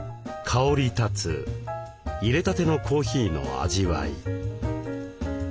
香りたついれたてのコーヒーの味わい。